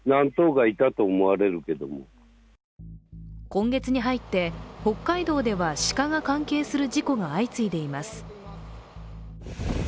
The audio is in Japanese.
今月に入って、北海道では鹿が関係する事故が相次いでいます。